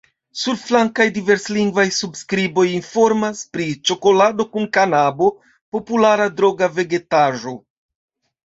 Surflankaj diverslingvaj surskriboj informas pri ĉokolado kun kanabo – populara droga vegetaĵo.